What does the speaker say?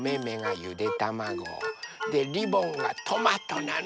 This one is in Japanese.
でリボンがトマトなの。